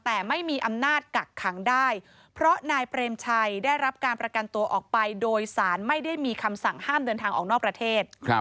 แต่ไม่มีอำนาจกักขังได้เพราะนายเปรมชัยได้รับการประกันตัวออกไปโดยสารไม่ได้มีคำสั่งห้ามเดินทางออกนอกประเทศ